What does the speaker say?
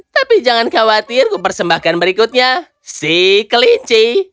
tapi jangan khawatir kupersembahkan berikutnya si kelinci